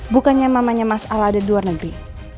bukannya mamanya mas al ada di luar negeri